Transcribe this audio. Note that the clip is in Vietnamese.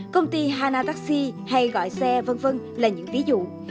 công ty hana taxi hay gọi xe v v là những ví dụ